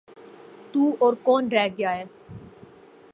تو اور کون رہ گیا ہے؟